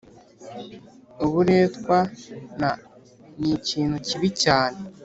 Uburetwan nikintu kibi cyane